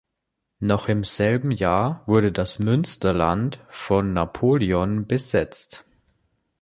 Noch im selben Jahr wurde das Münsterland von Napoleon besetzt.